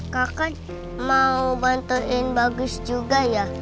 kakak mau bantuin bagus juga ya